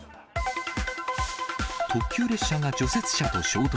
特急列車が除雪車と衝突。